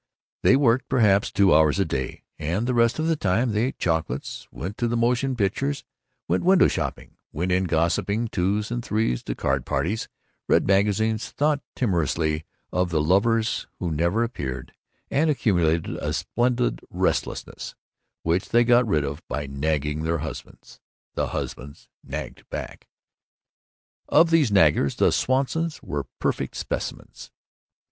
They worked perhaps two hours a day, and the rest of the time they ate chocolates, went to the motion pictures, went window shopping, went in gossiping twos and threes to card parties, read magazines, thought timorously of the lovers who never appeared, and accumulated a splendid restlessness which they got rid of by nagging their husbands. The husbands nagged back. Of these naggers the Swansons were perfect specimens.